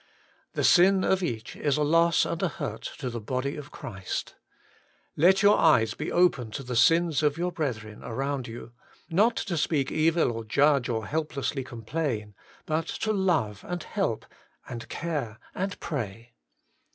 The sin of each is a loss and a hurt to the body of Christ. Let your eyes be open to the sins of your brethren around you; not to speak evil or judge or helfH Working for God 149 lessly complain, but to love and help and care and pray.